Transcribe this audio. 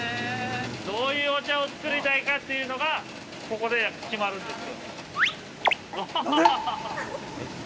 どういうお茶を作りたいかというのが、ここで決まるんです。